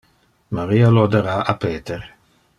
Maria lo dara a Peter.